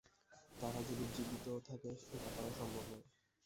তারা যদি জীবিতও থাকে এটা করা সম্ভব নয়।